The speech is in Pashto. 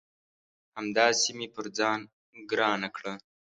همداسي مې پر ځان ګرانه کړه